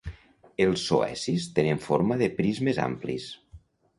Els zoecis tenen forma de prismes amplis.